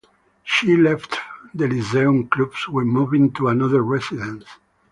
She left the Lyceum Club when moving to another residence.